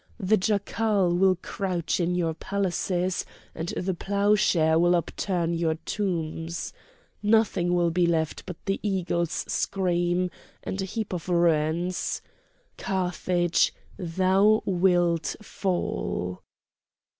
The jackal will crouch in your palaces, and the ploughshare will upturn your tombs. Nothing will be left but the eagles' scream and a heap of ruins. Carthage, thou wilt fall!"